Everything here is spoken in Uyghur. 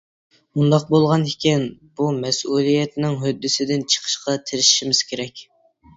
ئۇنداق بولغان ئىكەن بۇ مەسئۇلىيەتنىڭ ھۆددىسىدىن چىقىشقا تىرىشىشىمىز كېرەك.